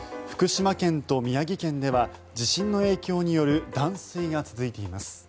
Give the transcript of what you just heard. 福島県と宮城県では地震の影響による断水が続いています。